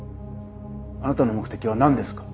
あなたの目的はなんですか？